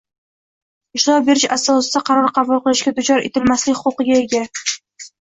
ishlov berish asosida qaror qabul qilishga duchor etilmaslik huquqiga ega